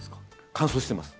乾燥してます。